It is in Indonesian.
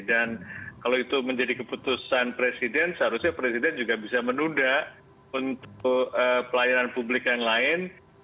dan kalau itu menjadi keputusan presiden seharusnya presiden juga bisa menunda untuk pelayanan publik yang lain